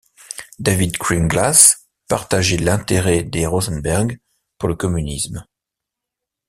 David Greenglass partageait l'intérêt des Rosenberg pour le communisme.